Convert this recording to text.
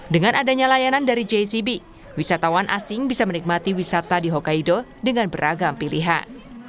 dengan adanya layanan dari jcb wisatawan asing bisa menikmati wisata di hokkaido dengan beragam pilihan